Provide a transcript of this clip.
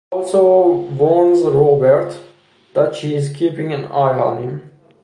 She also warns Robert that she is keeping an eye on him.